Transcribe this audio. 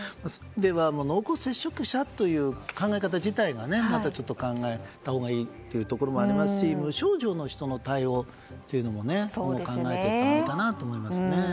濃厚接触者という考え方自体がまたちょっと考えたほうがいいというところもありますし無症状の人の対応というのも考えていかなくてはと思います。